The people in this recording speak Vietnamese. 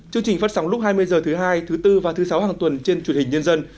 chương trình phát sóng lúc hai mươi h thứ hai thứ bốn và thứ sáu hàng tuần trên truyền hình nhân dân